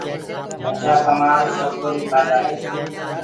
ٻچآ ڪمآد شوڪو دي کآندآ هين۔